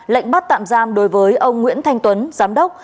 lệnh bắt tạm giam đối với ông nguyễn thanh tuấn giám đốc